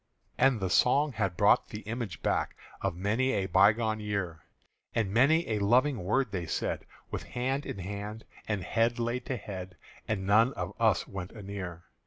And the song had brought the image back Of many a bygone year; And many a loving word they said With hand in hand and head laid to head; And none of us went anear.